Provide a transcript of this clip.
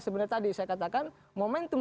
sebenarnya tadi saya katakan momentum